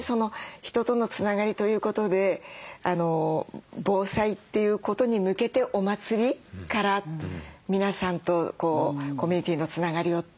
人とのつながりということで防災ということに向けてお祭りから皆さんとコミュニティーのつながりをっていうのも私感激しました。